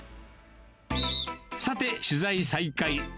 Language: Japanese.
さて、取材再開。